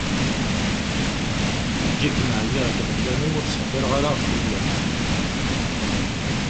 Deg wakken ɛyiɣ deg yiɣeblan-iw, ur ttḥebbireɣ ara ɣef wiyaḍ.